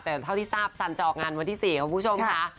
แต่เท่าที่ทราบซันจะออกงานวันที่๔คุณผู้ชมค่ะ